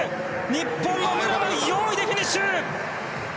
日本の武良は４位でフィニッシュ。